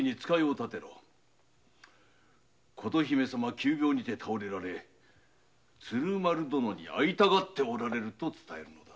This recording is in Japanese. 急病にて倒れられ鶴丸殿に会いたがっておられると伝えるのだ。